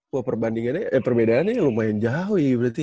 wah perbandingannya eh perbedaannya lumayan jauh ya berarti ya